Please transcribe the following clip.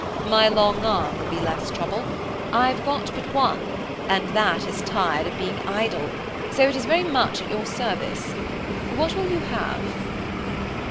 "My long arm will be less trouble. I've got but one, and that is tired of being idle, so it is very much at your service. What will you have?"